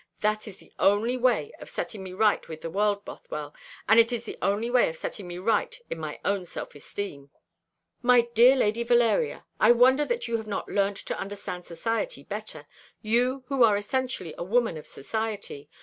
That is the only way of setting me right with the world, Bothwell; and it is the only way of setting me right in my own self esteem." "My dear Lady Valeria, I wonder that you have not learnt to understand society better you, who are essentially a woman of society.